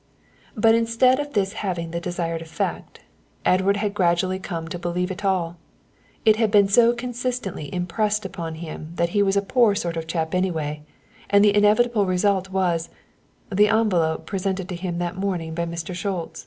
But instead of this having the desired effect, Edward had gradually come to believe it all; it had been so consistently impressed upon him that he was a poor sort of a chap anyway, and the inevitable result was the envelope presented to him that morning by Mr. Schultz.